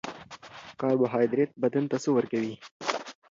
کاربوهایدریت بدن ته څه ورکوي